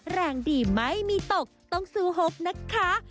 แรงดีไม่มีตกต้องสู้หกนะคะ